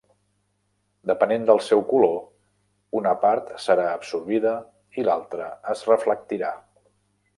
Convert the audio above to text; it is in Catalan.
Depenent del seu color una part serà absorbida i l'altra es reflectirà.